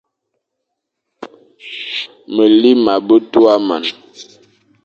Meli ma be tua man,